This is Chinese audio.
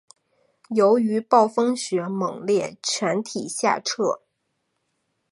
由于暴风雪猛烈全体下撤。